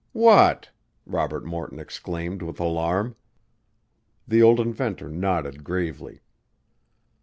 "What!" Robert Morton exclaimed with alarm. The old inventor nodded gravely.